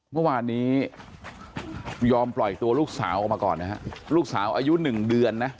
เมื่อวานนี้ยอมปล่อยตัวลูกสาวออกมาก่อนนะฮะลูกสาวอายุหนึ่งเดือนนะ